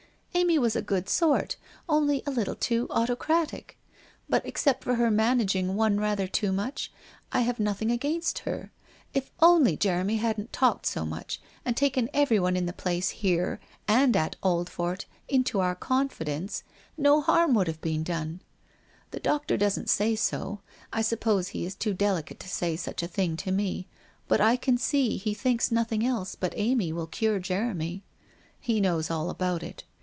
Amy was a good sort, only a little too autocratic. But except for her managing one rather too much, I have nothing against her. If only Jeremv hadn't talked so much and taken everyone in the place here and at Oldfort into our confidence no harm would have been done. ... The doctor doesn't say so; I suppose he is too delicate to say such a thing to me, but I can see he thinks nothing else but Amy will cure Jeremy. He knows all about it.